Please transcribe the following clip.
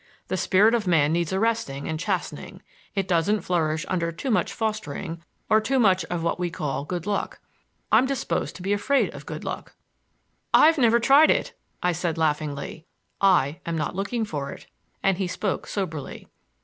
The spirit of man needs arresting and chastening. It doesn't flourish under too much fostering or too much of what we call good luck. I'm disposed to be afraid of good luck." "I've never tried it," I said laughingly. "I am not looking for it," and he spoke soberly.